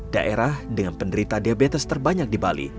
daerah dengan penderita diabetes terbanyak di bali